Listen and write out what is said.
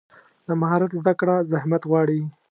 د مهارت زده کړه زحمت غواړي.